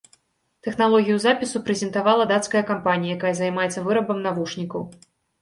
Тэхналогію запісу прэзентавала дацкая кампанія, якая займаецца вырабам навушнікаў.